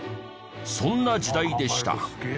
そんな時代でした。